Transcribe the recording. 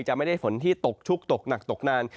จะไม่ได้ฝนที่ตกชุกตกหนักตกนาน